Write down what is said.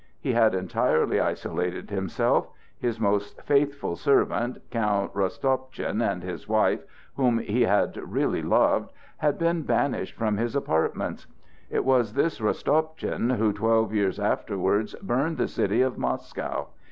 He had entirely isolated himself; his most faithful servant, Count Rostopchin, and his wife, whom he had really loved, had been banished from his apartments. It was this Rostopchin who twelve years afterwards burned the city of Moscow.